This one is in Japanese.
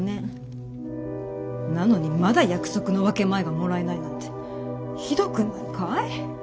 なのにまだ約束の分け前がもらえないなんてひどくないかい？